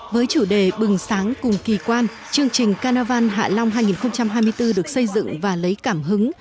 với chủ đề bừng sáng cùng kỳ quan chương trình carnival hạ long hai nghìn hai mươi bốn được xây dựng và lấy cảm hứng